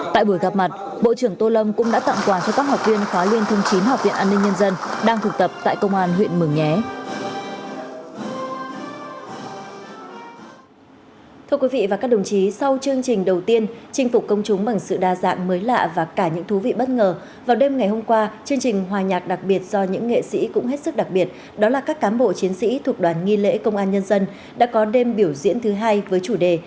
tại buổi gặp mặt bộ trưởng tô lâm cũng đã tặng quà cho các học viên khóa liên thương chín học viện an ninh nhân dân đang thực tập tại công an huyện mường nhé